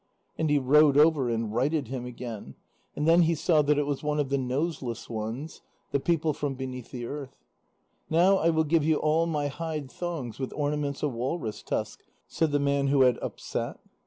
And he rowed over and righted him again, and then he saw that it was one of the Noseless Ones, the people from beneath the earth. "Now I will give you all my hide thongs with ornaments of walrus tusk," said the man who had upset.